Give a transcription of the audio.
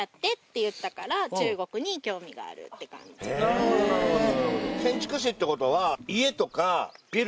なるほどなるほど。